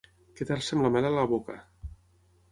Quedar-se amb la mel a la boca.